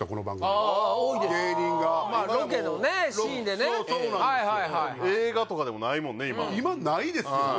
はいはいはい映画とかでもないもんね今今ないですよね